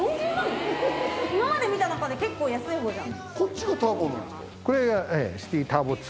今まで見た中で結構安いほうじゃん。